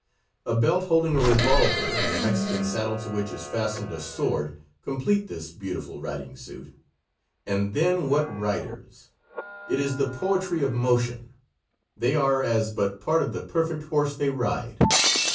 A belt holding a revolver, and a Mexican saddle to which is fastened a sword complete this beautiful riding suit. And then what riders! It is the poetry of motion; they are as but part of the perfect horse they ride.